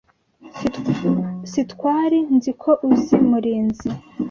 Sitwari nzi ko uzi Murinzi.